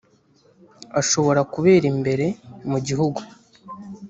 ashobora kubera imbere mu gihugu